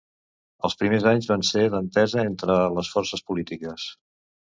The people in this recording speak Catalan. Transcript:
Els primers anys van ser d'entesa entre les forces polítiques.